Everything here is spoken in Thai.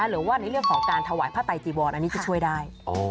หรือว่าในเรื่องของการถวายผ้าไตจีวรอันนี้จะช่วยได้